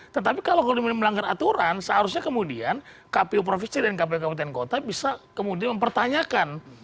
tetapi kalau melanggar aturan seharusnya kemudian kpu provinsi dan kpu kabupaten kota bisa kemudian mempertanyakan